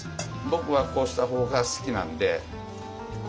僕はこうした方が好きなんで。